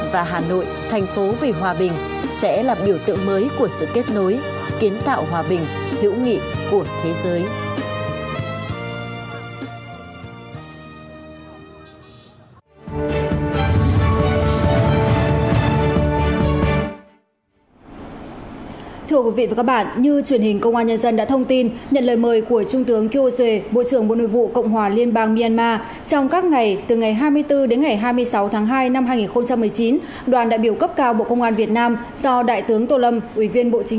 và hà nội thành phố vì hòa bình sẽ là biểu tượng mới của sự kết nối